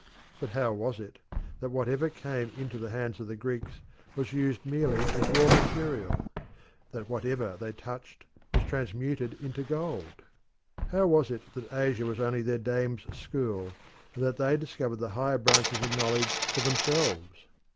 But how was it that whatever came into the hands of the Greeks was used merely as raw material that whatever they touched was transmuted into gold? How was it that Asia was only their dame's school, and that they discovered the higher branches of knowledge for themselves?